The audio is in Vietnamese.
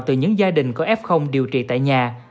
từ những gia đình có f điều trị tại nhà